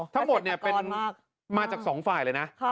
ทั้งหมดเนี่ยมาจาก๒ฝ่ายเลยนะ